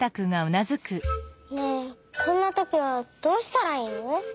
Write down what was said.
ねえこんなときはどうしたらいいの？